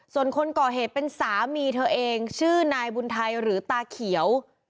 ส่วนคนก่อเหตุเป็นสามีเธอเองชื่อนายบุญไทยหรือตาเขียว